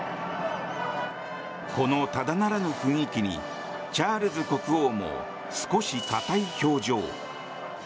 このただならぬ雰囲気にチャールズ国王も少し硬い表情。